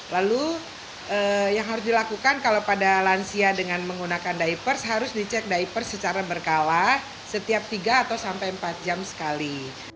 lalu yang harus dilakukan kalau pada lansia dengan menggunakan diapers harus dicek diapers secara berkala setiap tiga atau sampai empat jam sekali